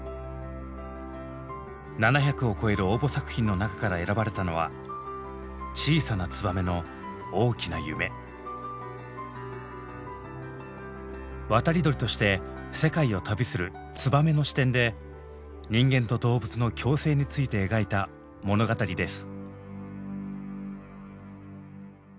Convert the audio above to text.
７００を超える応募作品の中から選ばれたのは渡り鳥として世界を旅するツバメの視点で人間と動物の共生について描いた物語です。